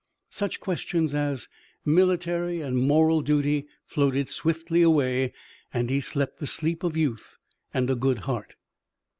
Such questions as military and moral duty floated swiftly away, and he slept the sleep of youth and a good heart.